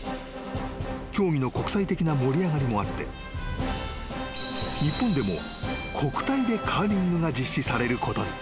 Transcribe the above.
［競技の国際的な盛り上がりもあって日本でも国体でカーリングが実施されることに］